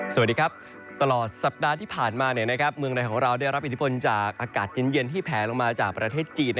สวัสดีครับตลอดที่พันมามืในของเราได้รับอินทธิภลอากาศเย็นที่แพลลงมาจากประเทศจีน